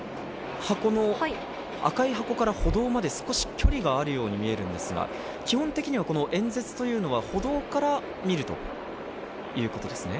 赤い箱から歩道まで少し距離があるように見えるんですが、基本的には演説というのは歩道から見るということですね？